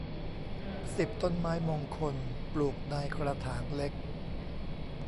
สิบ ต้นไม้มงคล ปลูกในกระถางเล็ก